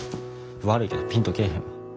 悪いけどピンと来えへんわ。